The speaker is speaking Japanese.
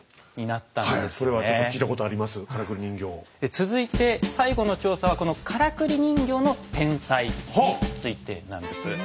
続いて最後の調査はこのからくり人形の天才についてなんです。